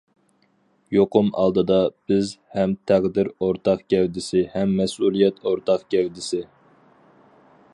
يۇقۇم ئالدىدا، بىز ھەم تەقدىر ئورتاق گەۋدىسى، ھەم مەسئۇلىيەت ئورتاق گەۋدىسى.